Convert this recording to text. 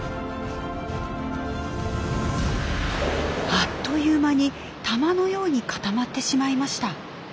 あっという間に玉のように固まってしまいました。